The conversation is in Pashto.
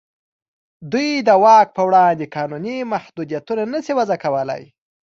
دوی د واک په وړاندې قانوني محدودیتونه نه شي وضع کولای.